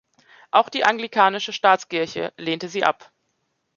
Auch die anglikanische Staatskirche lehnte sie ab.